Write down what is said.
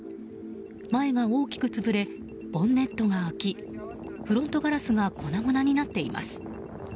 前が大きく潰れボンネットが開きフロントガラスが粉々になっています。